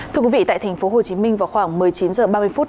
thưa quý vị tại thành phố hồ chí minh vào khoảng một mươi chín h ba mươi phút